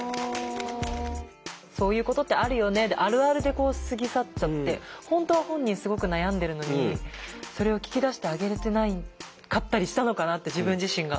あるで過ぎ去っちゃって本当は本人すごく悩んでるのにそれを聞き出してあげれてなかったりしたのかなって自分自身が。